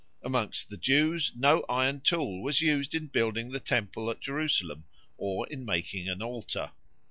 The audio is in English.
Amongst the Jews no iron tool was used in building the Temple at Jerusalem or in making an altar.